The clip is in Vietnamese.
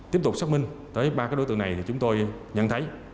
tiếp tục xác minh tới ba đối tượng này thì chúng tôi nhận thấy